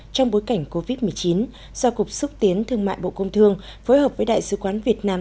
trong bối cảnh covid một mươi chín do cục xúc tiến thương mại bộ công thương phối hợp với đại sứ quán việt nam